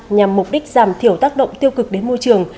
nhằm mục đích giảm thiểu tác động tiêu cực đến môi trường